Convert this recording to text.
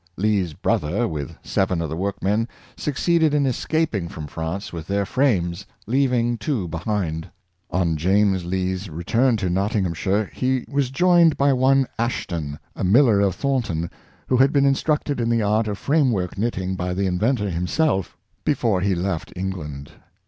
Lee's brother, with seven of the workmen, succeeded in escaping from France with their frames, leaving two behind. On James Lee's return to Nottinghamshire, he was joined by one Ashton, a miller of Thornton, who had been instructed in the art of framework knitting by the inventor himself before he left England.